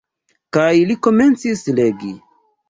Kaj li komencis legi.